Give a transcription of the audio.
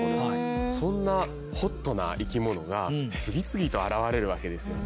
そんなホットな生き物が次々と現れるわけですよね。